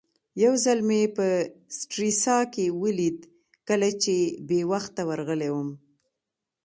یو ځل مې په سټریسا کې ولید کله چې بې وخته ورغلی وم.